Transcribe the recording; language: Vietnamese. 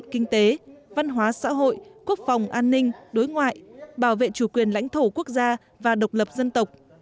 kinh tế văn hóa xã hội quốc phòng an ninh đối ngoại bảo vệ chủ quyền lãnh thổ quốc gia và độc lập dân tộc